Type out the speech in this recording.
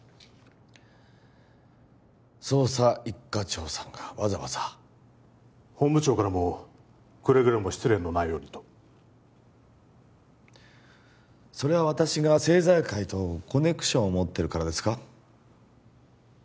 捜査一課長さんがわざわざ本部長からもくれぐれも失礼のないようにとそれは私が政財界とコネクションを持ってるからですか？